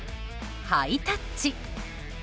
ハイタッチ！